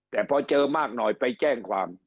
แต่พอเจอมากหน่อยไปแจ้งความ